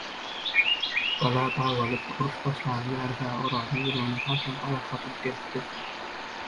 Gala gabalyp, uruş başlanaly bäri-hä Orazyň ýüregine hasam parahatlyk gelipdi.